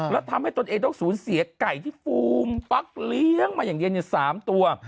แล้วทำให้ตนเองต้องสูญเสียไก่ที่ฟูมฟักเลี้ยงมาอย่างเดียว๓ตัว